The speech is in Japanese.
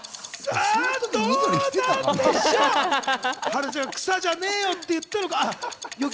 春菜ちゃん、草じゃねえよ！って言ったのか？